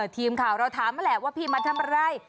ทีมข่าวเราถามมาแหละว่าพี่มาทำอะไร